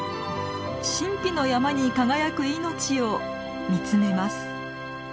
神秘の山に輝く命を見つめます。